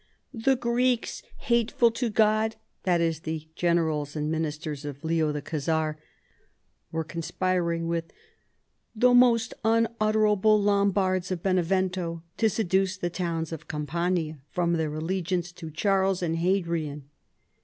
" The Greeks hateful to God " (that is the generals and ministers of Leo the Khazar) were conspiring with the " most unutter able " Lombards of Benevento to seduce the towns in Campania from their allegiance to Charles and Hadrian.